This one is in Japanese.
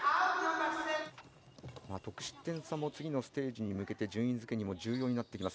得失点差も次のステージに向けて順位付けにも重要になってきます。